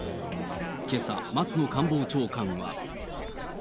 けさ、松野官房長官は。